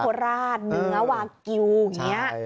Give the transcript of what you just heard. ไทยโคราชเนื้อวาเกียวอย่างนี้